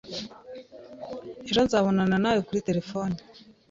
Ejo nzabonana nawe kuri terefone.